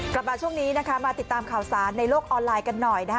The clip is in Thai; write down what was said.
กลับมาช่วงนี้นะคะมาติดตามข่าวสารในโลกออนไลน์กันหน่อยนะคะ